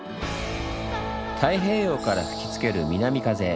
太平洋から吹きつける南風。